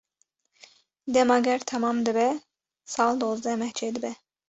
Dema ger temam dibe, sal dozdeh meh çêdibe.